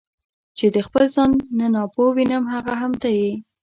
چې د خپل ځان نه ناپوه وینم هغه هم ته یې.